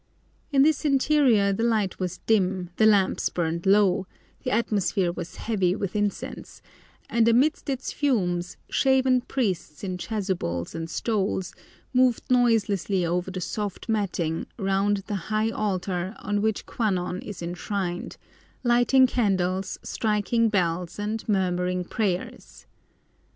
In this interior the light was dim, the lamps burned low, the atmosphere was heavy with incense, and amidst its fumes shaven priests in chasubles and stoles moved noiselessly over the soft matting round the high altar on which Kwan non is enshrined, lighting candles, striking bells, and murmuring prayers.